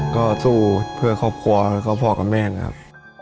ก็สู้เพื่อครอบครัวแล้วก็พ่อกับแม่นะครับ